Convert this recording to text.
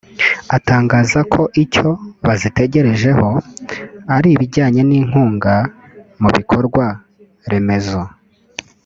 atangaza ko icyo bazitegerejeho ari ibijyanye n’inkunga mu bikorwa remezo